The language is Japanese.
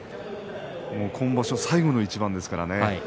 今場所最後の一番ですからね。